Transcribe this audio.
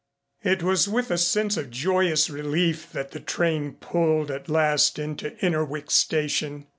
It was with a sense of joyous relief that the train pulled at last into Innerwick Station.